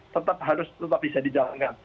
tetap harus bisa dijalankan